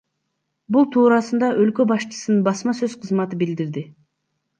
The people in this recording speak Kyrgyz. Бул туурасында өлкө башчысынын басма сөз кызматы билдирди.